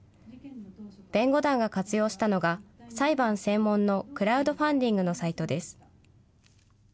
弁護団が活用したのが裁判専門のクラウドファンディングのサイトです。